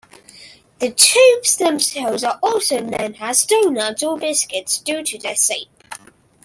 The tubes themselves are also known as "donuts" or "biscuits" due to their shape.